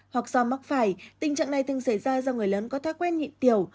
hoặc do mắc phải tình trạng này từng xảy ra do người lớn có thói quen nhịn tiểu